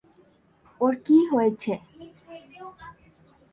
ওর কী হয়েছে?